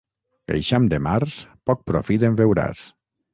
Eixam de març, poc profit en veuràs.